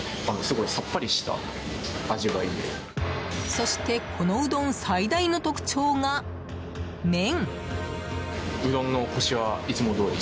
そしてこのうどん最大の特徴が麺。